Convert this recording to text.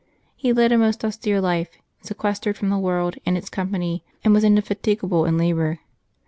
He led a most austere life, sequestered from the world and its company, and was indefatigable in labor.